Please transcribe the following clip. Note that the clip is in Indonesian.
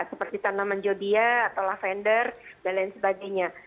seperti tanaman jodia atau lavender dan lain sebagainya